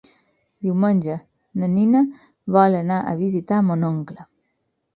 Diumenge na Nina vol anar a visitar mon oncle.